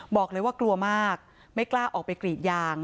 บอกเลยว่ากลัวมากไม่กล้าออกไปกรีดยาง